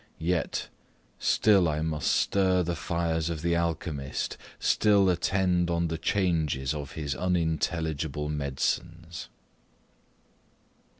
Yet, still I must stir the fires of the alchymist, still attend on the changes of his unintelligible medicines.